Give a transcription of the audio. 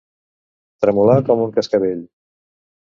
Tremolar com un cascavell.